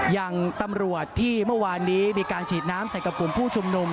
อย่างตำรวจที่เมื่อวานนี้มีการฉีดน้ำใส่กับกลุ่มผู้ชุมนุม